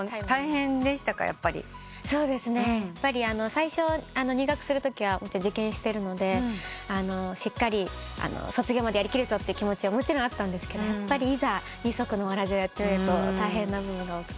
最初入学するときは受験してるのでしっかり卒業までやりきるぞって気持ちはもちろんあったんですけどやっぱりいざ二足のわらじをやってみると大変な部分が多くて。